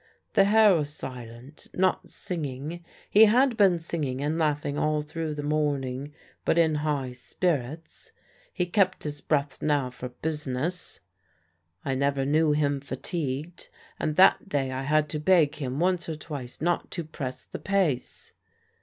The Herr was silent; not singing he had been singing and laughing all through the morning but in high spirits. He kept his breath now for business. I never knew him fatigued; and that day I had to beg him once or twice not to press the pace.